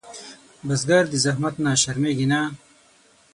بزګر د زحمت نه شرمېږي نه